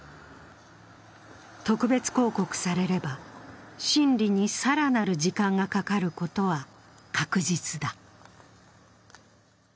特別抗告されれば、審理に更なる時間がかかることは確実だ。